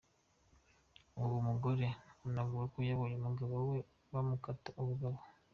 Uwo mugore anavuga ko yabonye umugabo we bamukata ubugabo.